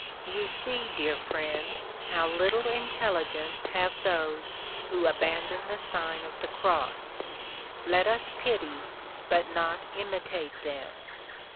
You see, dear friend, how little intelligence have those who abandon the Sign of the Cross. Let us pity, but not imitate them.